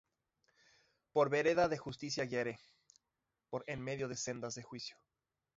Por vereda de justicia guiaré, Por en medio de sendas de juicio;